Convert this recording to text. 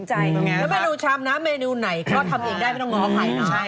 รสดีซุปก้อนนะคะรับรองว่าอร่อยกลมกล่อม